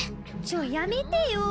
ちょっやめてよ。